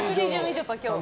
ちょぱ、今日。